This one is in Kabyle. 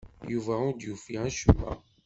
Yuba ur d-yufi acemma.